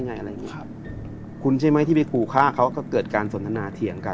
อะไรอย่างงี้ครับคุณใช่ไหมที่ไปขู่ฆ่าเขาก็เกิดการสนทนาเถียงกัน